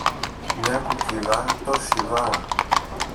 μια κουκκίδα τόση δα